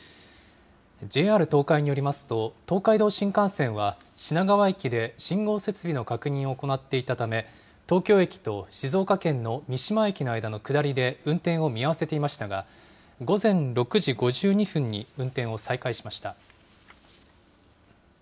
ＪＲ東海によりますと、東海道新幹線は、品川駅で信号設備の確認を行っていたため、東京駅と静岡県の三島駅の間の下りで、運転を見合わせていましたが、午前６時５２分に運転を再開しました。